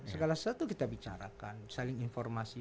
segala satu kita bicarakan saling informasi